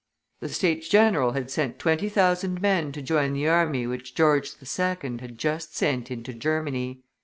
The States general had sent twenty thousand men to join the army which George II. had just sent into Germany.